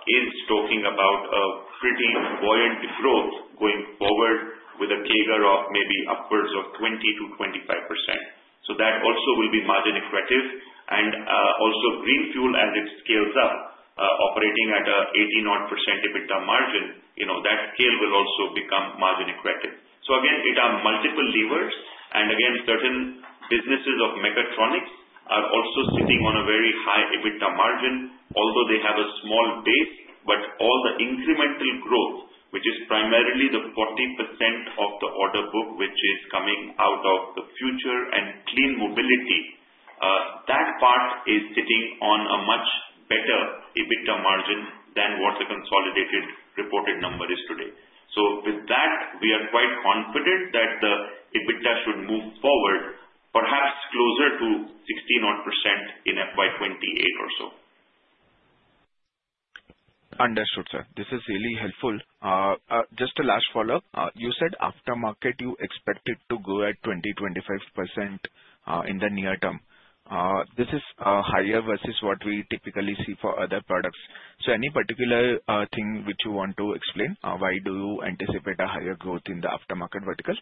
is talking about a pretty buoyant growth going forward with a CAGR of maybe upwards of 20%-25%. So that also will be margin accretive. And also, Green Fuel, as it scales up, operating at an 18-odd% EBITDA margin, that scale will also become margin accretive. So again, it has multiple levers. And again, certain businesses of mechatronics are also sitting on a very high EBITDA margin, although they have a small base. But all the incremental growth, which is primarily the 40% of the order book which is coming out of the future and clean mobility, that part is sitting on a much better EBITDA margin than what the consolidated reported number is today. So with that, we are quite confident that the EBITDA should move forward, perhaps closer to 16-odd% in FY 28 or so. Understood, sir. This is really helpful. Just a last follow-up. You said aftermarket, you expected to go at 20%-25% in the near term. This is higher versus what we typically see for other products. So any particular thing which you want to explain? Why do you anticipate a higher growth in the aftermarket vertical?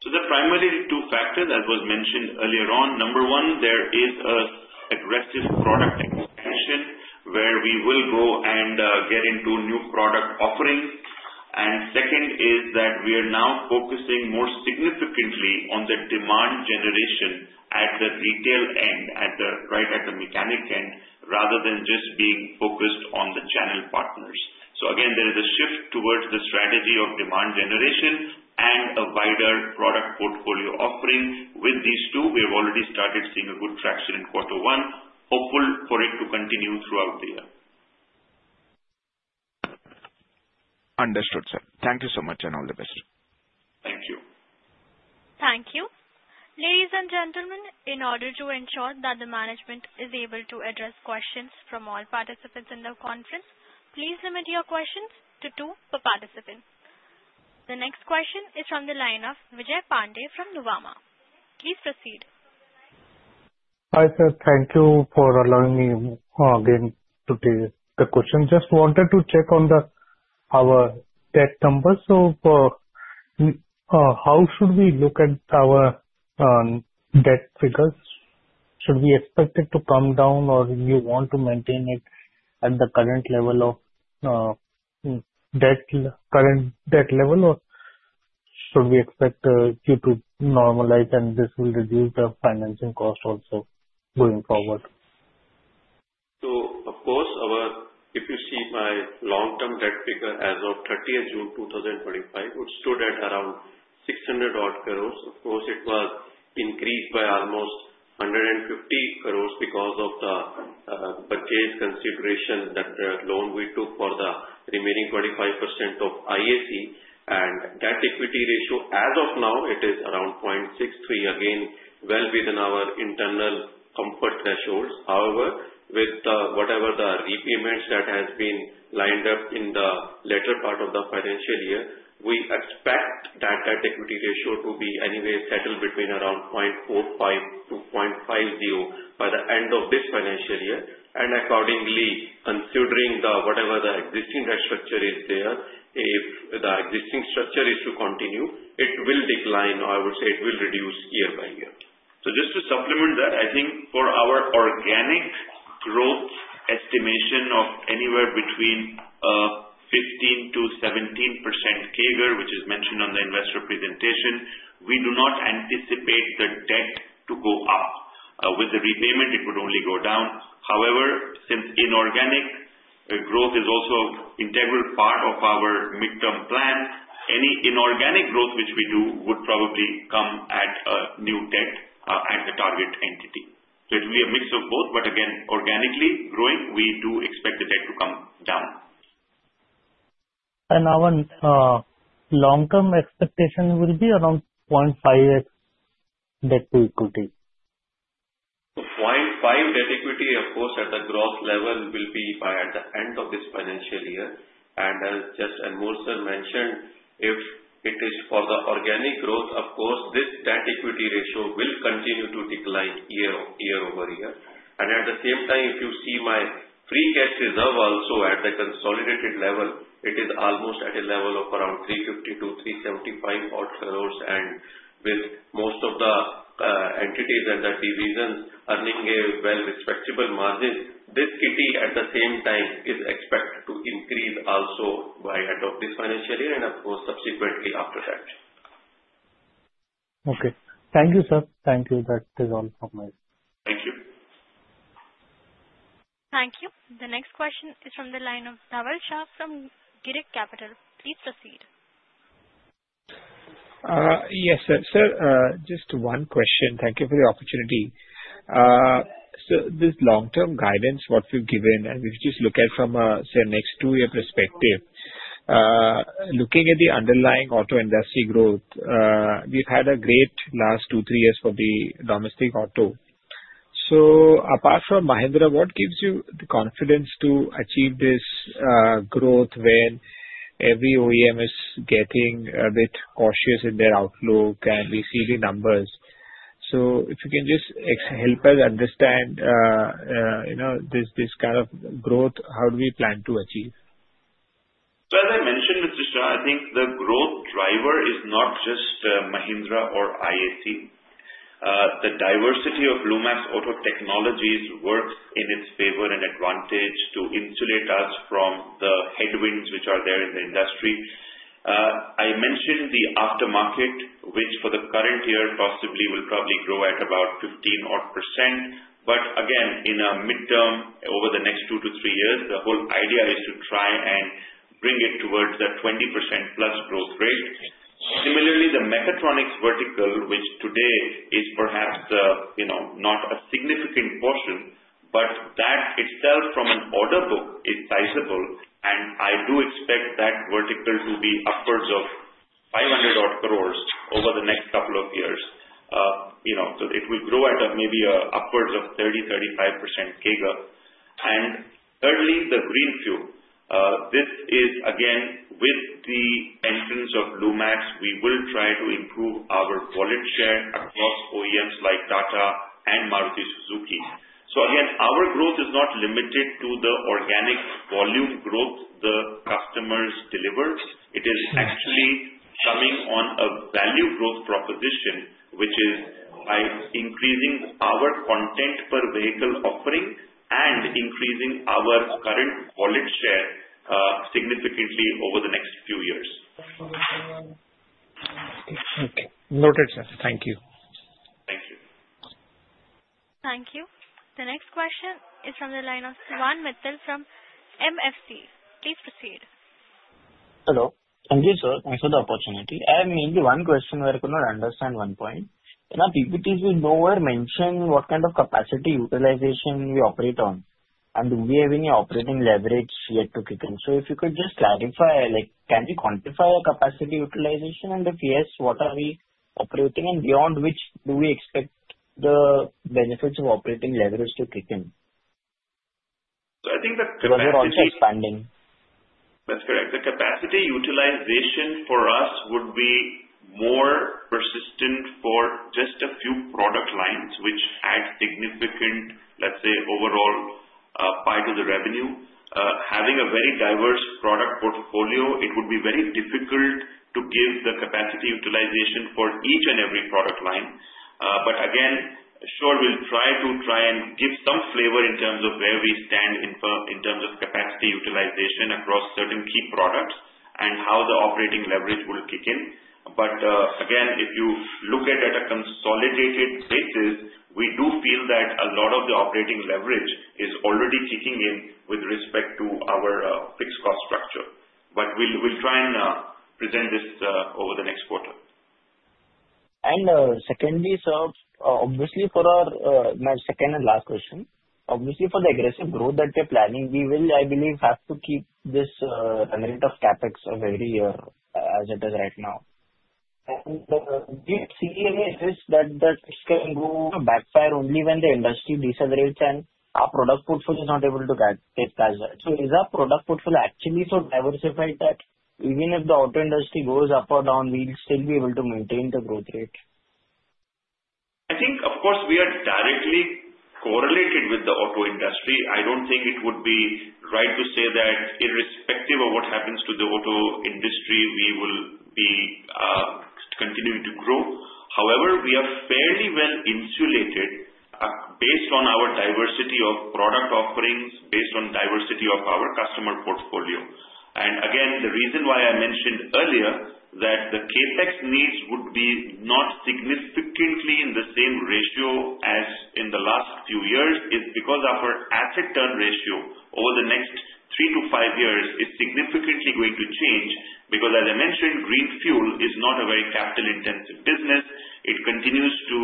So the primary two factors, as was mentioned earlier on, number one, there is an aggressive product expansion where we will go and get into new product offerings. And second is that we are now focusing more significantly on the demand generation at the retail end, right at the mechanic end, rather than just being focused on the channel partners. So again, there is a shift towards the strategy of demand generation and a wider product portfolio offering. With these two, we have already started seeing a good traction in quarter one, hopeful for it to continue throughout the year. Understood, sir. Thank you so much and all the best. Thank you. Thank you. Ladies and gentlemen, in order to ensure that the management is able to address questions from all participants in the conference, please limit your questions to two per participant. The next question is from the line of Vijay Pandey from Nuvama. Please proceed. Hi sir, thank you for allowing me again to take the question. Just wanted to check on our debt numbers. So how should we look at our debt figures? Should we expect it to come down or you want to maintain it at the current level of debt, current debt level, or should we expect you to normalize and this will reduce the financing cost also going forward? So of course, if you see my long-term debt figure as of 30th June 2025, it stood at around 600-odd crores. Of course, it was increased by almost 150 crores because of the purchase consideration that the loan we took for the remaining 25% of IAC. And that equity ratio, as of now, it is around 0.63, again, well within our internal comfort thresholds. However, with whatever the repayments that have been lined up in the latter part of the financial year, we expect that that equity ratio to be anyway settled between around 0.45-0.50 by the end of this financial year. And accordingly, considering whatever the existing debt structure is there, if the existing structure is to continue, it will decline, or I would say it will reduce year by year. So just to supplement that, I think for our organic growth estimation of anywhere between 15%-17% CAGR, which is mentioned on the investor presentation, we do not anticipate the debt to go up. With the repayment, it would only go down. However, since inorganic growth is also an integral part of our midterm plan, any inorganic growth which we do would probably come at a new debt at the target entity. So it will be a mix of both, but again, organically growing, we do expect the debt to come down. And now, long-term expectation will be around 0.5X debt to equity? 0.5X debt-equity, of course, at the growth level will be by the end of this financial year. And as Anmol Jain, sir, mentioned, if it is for the organic growth, of course, this debt-equity ratio will continue to decline year-over-year. And at the same time, if you see my free cash reserve also at the consolidated level, it is almost at a level of around 350-375-odd crores. And with most of the entities and the divisions earning a well-respectable margin, this EBITDA at the same time is expected to increase also by the end of this financial year and, of course, subsequently after that. Okay. Thank you, sir. Thank you. Thank you. That is all from me. Thank you. Thank you. The next question is from the line of Dhaval Shah from Girik Capital. Please proceed. Yes, sir. Sir, just one question. Thank you for the opportunity. So this long-term guidance, what we've given, and we've just looked at from, say, a next two-year perspective, looking at the underlying auto industry growth, we've had a great last two, three years for the domestic auto. So apart from Mahindra, what gives you the confidence to achieve this growth when every OEM is getting a bit cautious in their outlook and we see the numbers? So if you can just help us understand this kind of growth, how do we plan to achieve? So as I mentioned, Mr. Shah, I think the growth driver is not just Mahindra or IAC. The diversity of Lumax Auto Technologies works in its favor and advantage to insulate us from the headwinds which are there in the industry. I mentioned the aftermarket, which for the current year possibly will probably grow at about 15-odd%. But again, in a midterm, over the next two to three years, the whole idea is to try and bring it towards that 20% plus growth rate. Similarly, the mechatronics vertical, which today is perhaps not a significant portion, but that itself from an order book is sizable. And I do expect that vertical to be upwards of 500-odd crores over the next couple of years. So it will grow at maybe upwards of 30%-35% CAGR. And thirdly, the Greenfuel. This is, again, with the entrance of Lumax, we will try to improve our wallet share across OEMs like Tata and Maruti Suzuki. So again, our growth is not limited to the organic volume growth the customers deliver. It is actually coming on a value growth proposition, which is by increasing our content per vehicle offering and increasing our current wallet share significantly over the next few years. Okay. Noted, sir. Thank you. Thank you. Thank you. The next question is from the line of Sivan Mithil from MFC. Please proceed. Hello. Thank you, sir. Thanks for the opportunity. I have mainly one question where I could not understand one point. In our PPTs, we nowhere mention what kind of capacity utilization we operate on, and do we have any operating leverage yet to kick in? So if you could just clarify, can we quantify our capacity utilization, and if yes, what are we operating, and beyond which do we expect the benefits of operating leverage to kick in? So I think the capacity. Because we're also expanding. That's correct. The capacity utilization for us would be more persistent for just a few product lines which add significant, let's say, overall pie to the revenue. Having a very diverse product portfolio, it would be very difficult to give the capacity utilization for each and every product line. But again, sure, we'll try to give some flavor in terms of where we stand in terms of capacity utilization across certain key products and how the operating leverage will kick in. But again, if you look at it at a consolidated basis, we do feel that a lot of the operating leverage is already kicking in with respect to our fixed cost structure. But we'll try and present this over the next quarter. And secondly, sir, obviously for our, my second and last question. Obviously, for the aggressive growth that we're planning, we will, I believe, have to keep this rate of CapEx a very as it is right now. And do you see any risk that it can go backfire only when the industry decelerates and our product portfolio is not able to take that? So is our product portfolio actually so diversified that even if the auto industry goes up or down, we'll still be able to maintain the growth rate? I think, of course, we are directly correlated with the auto industry. I don't think it would be right to say that irrespective of what happens to the auto industry, we will be continuing to grow. However, we are fairly well insulated based on our diversity of product offerings, based on diversity of our customer portfolio. And again, the reason why I mentioned earlier that the CapEx needs would be not significantly in the same ratio as in the last few years is because our asset turn ratio over the next three to five years is significantly going to change because, as I mentioned, Greenfuel is not a very capital-intensive business. It continues to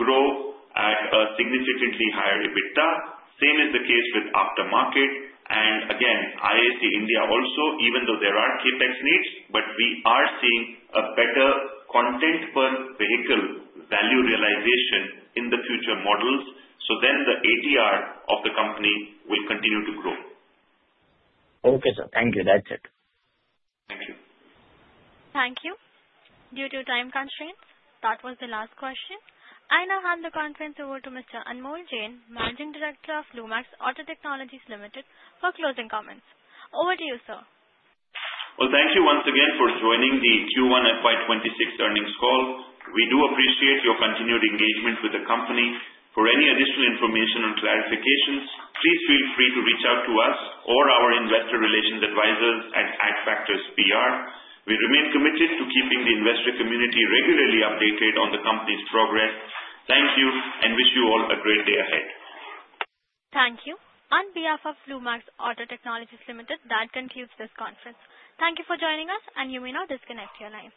grow at a significantly higher EBITDA, same as the case with aftermarket. And again, IAC India also, even though there are CapEx needs, but we are seeing a better content per vehicle value realization in the future models. So then the ATR of the company will continue to grow. Okay, sir. Thank you. That's it. Thank you. Thank you. Due to time constraints, that was the last question. I now hand the conference over to Mr. Anmol Jain, Managing Director of Lumax Auto Technologies Limited, for closing comments. Over to you, sir. Well, thank you once again for joining the Q1 FY 26 earnings call. We do appreciate your continued engagement with the company. For any additional information and clarifications, please feel free to reach out to us or our investor relations advisors at Adfactors PR. We remain committed to keeping the investor community regularly updated on the company's progress. Thank you and wish you all a great day ahead. Thank you. On behalf of Lumax Auto Technologies Limited, that concludes this conference. Thank you for joining us, and you may now disconnect your line.